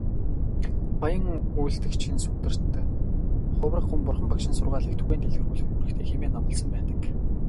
Буян үйлдэгчийн сударт "Хувраг хүн Бурхан багшийн сургаалыг түгээн дэлгэрүүлэх үүрэгтэй" хэмээн номлосон байдаг.